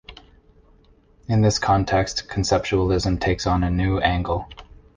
In this context, conceptualism takes on a new angle.